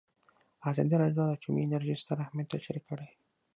ازادي راډیو د اټومي انرژي ستر اهميت تشریح کړی.